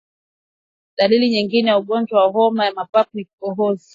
Dalili nyingine ya ugonjwa wa homa ya mapafu ni kikohozi kikavu baada ya mahangaiko